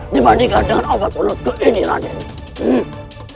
dibandingkan dengan abad abad ke ini raden